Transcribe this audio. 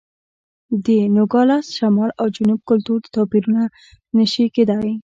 د نوګالس شمال او جنوب کلتور توپیرونه نه شي کېدای.